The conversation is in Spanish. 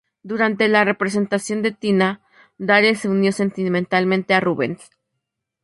Durante la representación de Tina, Dare se unió sentimentalmente a Rubens.